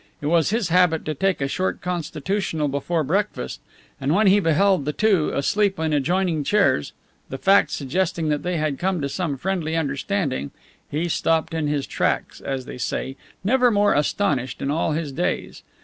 It was his habit to take a short constitutional before breakfast; and when he beheld the two, asleep in adjoining chairs, the fact suggesting that they had come to some friendly understanding, he stopped in his tracks, as they say, never more astonished in all his days.